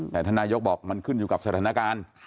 แต่ท่านนายกบอกมันขึ้นอยู่กับสถานการณ์